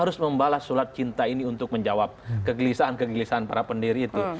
harus membalas surat cinta ini untuk menjawab kegelisahan kegelisahan para pendiri itu